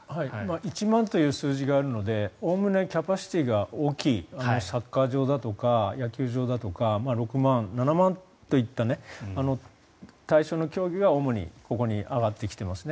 １万という数字があるのでおおむねキャパシティーが大きいサッカー場だとか野球場だとか６万、７万といった対象の競技が主にここに上がってきていますね。